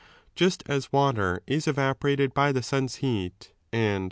Just as water is evaporated by the son's heat and.